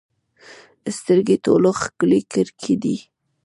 سترګې ټولو ښکلې کړکۍ دي.